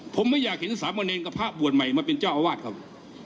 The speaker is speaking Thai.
ผมไม่อยากเห็นสามเณรกับพระบวชใหม่มาเป็นเจ้าอาวาสครับ